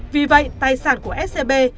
vì vậy tài sản của scb